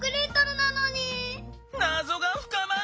なぞがふかまる！